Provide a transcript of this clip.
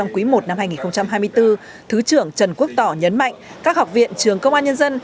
quý i năm hai nghìn hai mươi bốn thứ trưởng trần quốc tỏ nhấn mạnh các học viện trường công an nhân dân